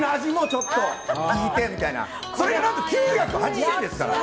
それが何と９８０円ですから。